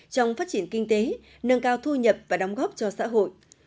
trong phát triển kinh tế nâng cao thu nhập và đóng góp cho xã hội